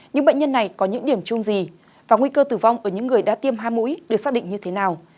những bệnh nhân này có những điểm chung gì và nguy cơ tử vong ở những người đã tiêm hai mũi được xác định như thế nào